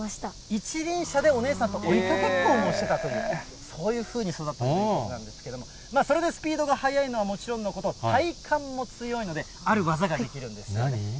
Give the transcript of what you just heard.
一輪車でお姉さんと追いかけっこもしていたという、そういうふうに育ったということなんですけれども、それでスピードが速いのはもちろんのこと、体幹も強いので、ある技ができるんです。